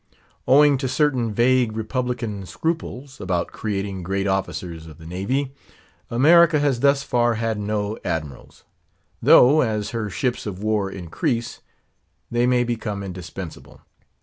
Owing to certain vague, republican scruples, about creating great officers of the navy, America has thus far had no admirals; though, as her ships of war increase, they may become indispensable.